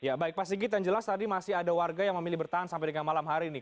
ya baik pak sigit yang jelas tadi masih ada warga yang memilih bertahan sampai dengan malam hari ini